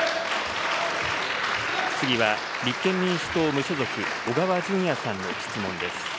次は、立憲民主党・無所属、小川淳也さんの質問です。